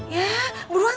ya buruan sana gi